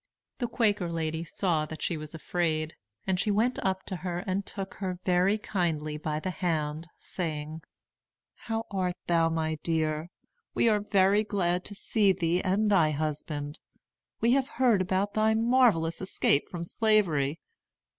The Quaker lady saw that she was afraid, and she went up to her and took her very kindly by the hand, saying: "How art thou, my dear? We are very glad to see thee and thy husband. We have heard about thy marvellous escape from Slavery.